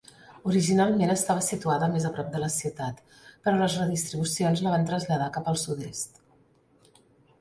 Originalment estava situada més a prop de la ciutat, però les redistribucions la van traslladar cap al sud-est.